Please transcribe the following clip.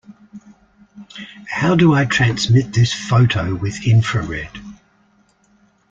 How do I transmit this photo with infrared?